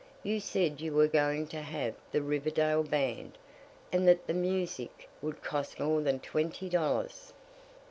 You said you were going to have the Riverdale Band, and that the music would cost more than twenty dollars."